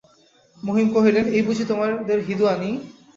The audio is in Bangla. মহিম কহিলেন, এই বুঝি তোমাদের হিঁদুয়ানি!